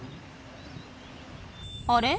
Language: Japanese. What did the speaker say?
あれ？